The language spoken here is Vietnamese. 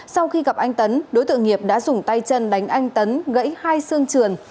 sau khi gặp anh tấn đối tượng nghiệp đã dùng tay chân đánh anh tấn gãy hai xương trường